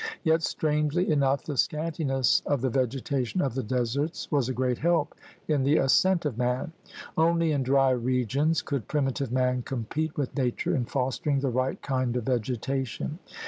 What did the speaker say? Yet strangely enough the scantiness of the vegetation of the deserts was a great help in the ascent of man. Only in dry regions could primitive man compete with nature in fostering the right kind of vege tation.